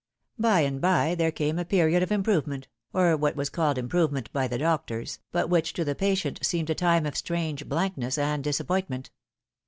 By and by there came a period of improvement, or what vis called improvement by the doctors, but which to the patient Darkness. 279 8eetned ft time of strange blankness and disappointment.